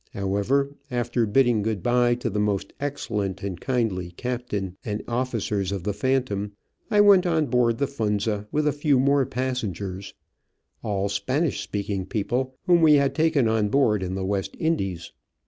However, after bidding good bye to the most excellent and kindly captain and officers of the Phantom, I went on board the Funza with a few more passengers, all Spanish speaking people, whom we had taken on board in the West Indies.